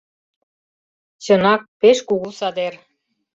Чынак, пеш кугу садер!